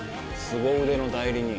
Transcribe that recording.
すご腕の代理人